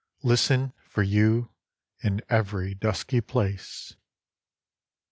Listen for you in every dusky place.